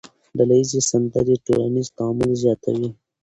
ډلهییزې سندرې ټولنیز تعامل زیاتوي.